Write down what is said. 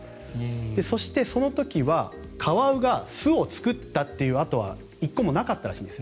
そして、その時はカワウが巣を作ったという跡は１個もなかったらしいんです。